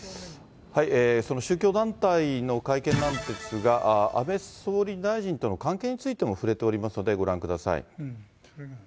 その宗教団体の会見なんですが、安倍総理大臣との関係についても触れておりますので、ご覧ください。